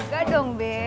gak dong be